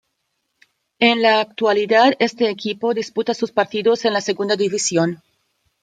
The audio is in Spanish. En la actualidad este equipo disputa sus partidos en la Segunda División.